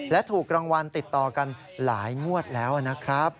และถูกรางวัลติดต่อกันหลายงวดแล้วนะครับ